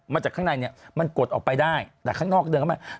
จากข้างในเนี่ยมันกดออกไปได้แต่ข้างนอกก็เดินเข้ามา